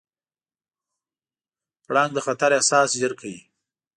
پړانګ د خطر احساس ژر کوي.